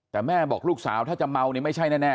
แต่แม่บอกลูกสาวถ้าจะเมานี่ไม่ใช่แน่